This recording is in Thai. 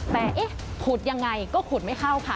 แต่เอ๊ะขุดยังไงก็ขุดไม่เข้าค่ะ